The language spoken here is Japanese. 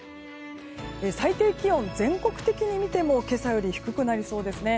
最低気温、全国的に見ても今朝より低くなりそうですね。